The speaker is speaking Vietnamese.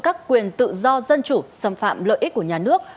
các quyền tự do dân chủ xâm phạm lợi ích của nhà nước